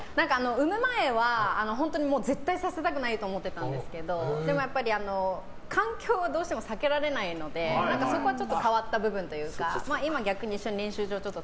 産む前は本当に絶対させたくないと思ってたんですけど環境はどうしても避けられないのでそこはちょっと変わった部分というか。